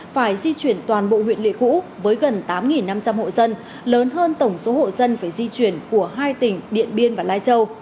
phải di chuyển toàn bộ huyện lệ cũ với gần tám năm trăm linh hộ dân lớn hơn tổng số hộ dân phải di chuyển của hai tỉnh điện biên và lai châu